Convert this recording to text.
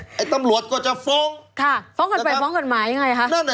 ฟ้องกันไปฟ้องกันมายังไง